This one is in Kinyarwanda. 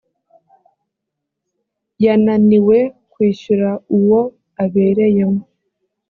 yananiwe kwishyura uwo abereyemo